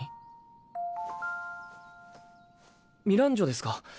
ミランジョですか？